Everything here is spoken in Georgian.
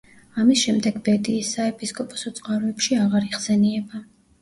ამის შემდეგ ბედიის საეპისკოპოსო წყაროებში აღარ იხსენიება.